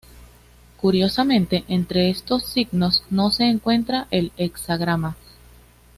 Curiosamente entre estos signos no se encuentra el hexagrama.